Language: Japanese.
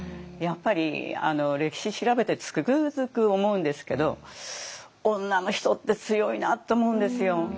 やっぱり歴史調べてつくづく思うんですけど女の人って強いなって思うんですよ。